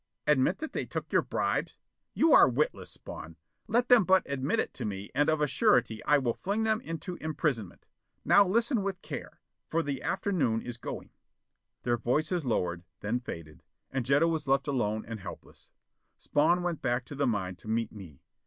"Admit that they took your bribes? You are witless, Spawn! Let them but admit it to me and of a surety I will fling them into imprisonment! Now listen with care, for the after noon is going...." Their voices lowered, then faded, and Jetta was left alone and helpless. Spawn went back to the mine to meet me.